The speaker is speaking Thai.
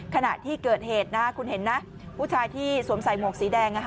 ขณะที่เกิดเหตุคุณเห็นนะผู้ชายที่สวมใส่หมวกสีแดง